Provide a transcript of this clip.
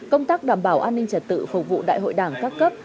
công tác đảm bảo an ninh trật tự phục vụ đại hội đảng các cấp